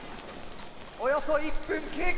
およそ１分経過。